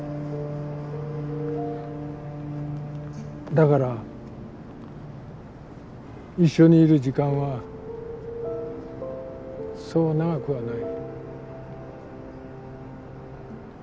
だから一緒にいる時間はそう長くはない。